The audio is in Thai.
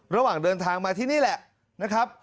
ระหว่างเดินทางมาที่นี่แหละ